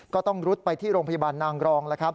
ก็ต้องรุดไปที่โรงพยาบาลนางรอง